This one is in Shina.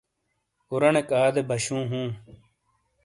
اورانیک آدے باشوں ہوں۔